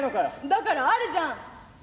「だからあるじゃん。